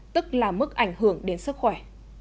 tức là mức ảnh hưởng đến sức khỏe